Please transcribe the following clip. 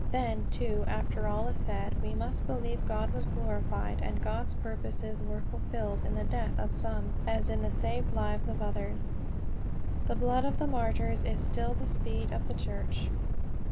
Then, too, after all is said, we must believe God was glorified and God's purposes were fulfilled in the death of some as in the saved lives of others. The blood of the martyrs is still the seed of the Church.